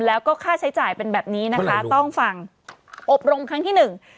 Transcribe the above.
แล้วก็ค่าใช้จ่ายเป็นแบบนี้นะคะต้องฟังอบรมครั้งที่หนึ่ง